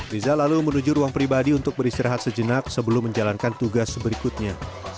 riza lalu menuju ruang pribadi untuk beristirahat sejenak sebelum menjalankan tugas berikutnya